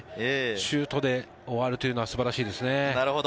シュートで終わるというのは素晴らしいですね。